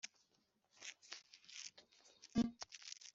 none ni ho abagabo aba ba mibambwe